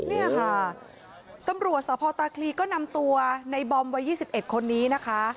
เนี่ยค่ะตำรวจสพตาคลีก็นำตัวในบอมวัย๒๑คนนี้นะคะ